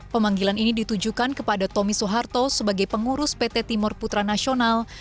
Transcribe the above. pemanggilan ini ditujukan kepada tommy soeharto sebagai pengurus pt timur putra nasional